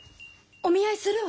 お見合いするわ。